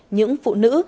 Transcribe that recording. những phụ nữ